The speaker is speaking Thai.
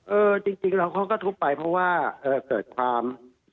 เออจริงแล้วเขาก็ทุบไปเพราะว่าเกิดความ